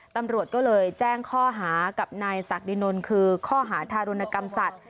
ตำรวจก็เลยแจ้งข้อหากับนายศักดินนลคือข้อหาทารุณกรรมสัตว